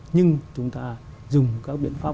nhưng chúng ta dùng các biện pháp